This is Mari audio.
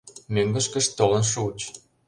Мӧҥгышкышт толын шуыч.